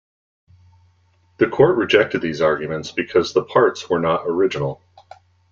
The court rejected these arguments because the parts were not original.